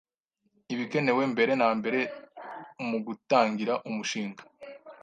ibikenewe mbere na mbere mu gutangira umushinga